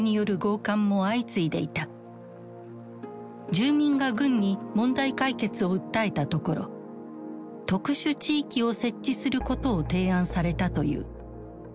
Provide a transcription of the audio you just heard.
住民が軍に問題解決を訴えたところ特殊地域を設置することを提案されたという。